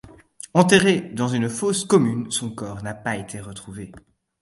Enterré dans une fosse commune, son corps n'a pas été retrouvé.